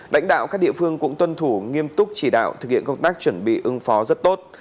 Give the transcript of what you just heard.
lãnh đạo các địa phương cũng tuân thủ nghiêm túc chỉ đạo thực hiện công tác chuẩn bị ứng phó rất tốt